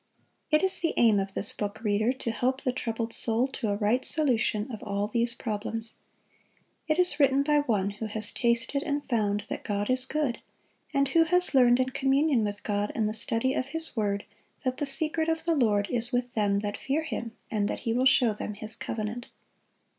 It is the aim of this book, reader, to help the troubled soul to a right solution of all these problems. It is written by one who has tasted and found that God is good, and who has learned in communion with God and the study of His word that the secret of the Lord is with them that fear Him, and that He will show them His covenant.